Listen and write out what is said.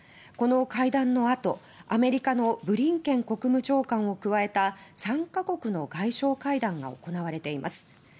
この会談の後、アメリカのブリンケン国務長官を加えた３か国の外相会談が行われています。